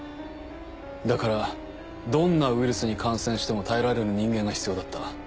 だからどんなウイルスに感染しても耐えられる人間が必要だった。